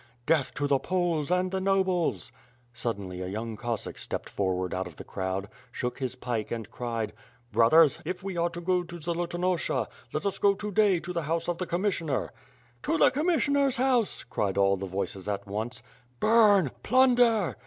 "Death to the Poles, and the nobles!" Rnrldcnly a young Cossack stepped fon^^ard out of the crowd, fshook his pike and cried: "Brothers, if wo are to go to Zolotonosha, let us go to day to the house of the Commissioner." 268 WITH FIRE AND SWORD. "To the Commissioner's house!" cried all the voices at once. "Burn! Plunder!"